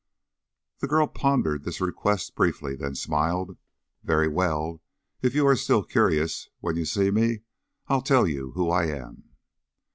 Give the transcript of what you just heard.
The girl pondered this request briefly, then smiled. "Very well. If you are still curious, when you see me, I'll tell you who I am."